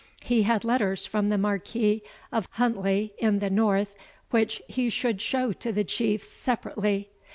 He had letters from the Marquis of Huntly in the north, which he should show to the Chiefs separately.